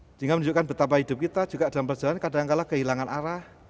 sehingga menunjukkan betapa hidup kita juga dalam perjalanan kadangkala kehilangan arah